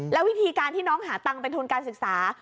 แล้ววิธีการที่น้องหาตังค์เป็นทุนการศึกษา